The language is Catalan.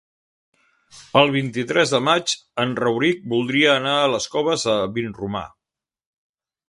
El vint-i-tres de maig en Rauric voldria anar a les Coves de Vinromà.